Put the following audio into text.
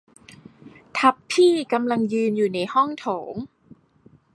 ทัพพี่กำลังยืนอยู่ในห้องโถง